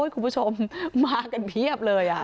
คุณผู้ชมมากันเพียบเลย